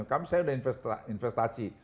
kami saya udah investasi